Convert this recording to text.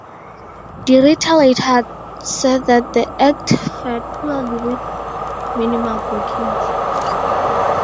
DeRita later said that the act fared poorly with minimal bookings.